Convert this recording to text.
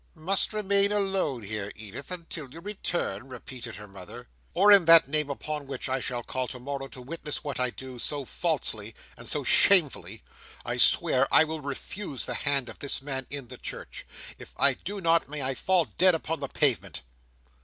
"Must remain alone here, Edith, until you return!" repeated her mother. "Or in that name upon which I shall call to morrow to witness what I do, so falsely: and so shamefully, I swear I will refuse the hand of this man in the church. If I do not, may I fall dead upon the pavement!"